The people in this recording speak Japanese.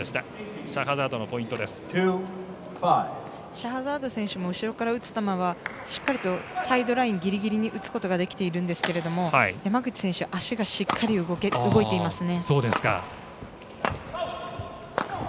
シャハザード選手も後ろから打つ球はしっかりとサイドラインギリギリに打つことができているんですけど山口選手足がしっかり動いてますね。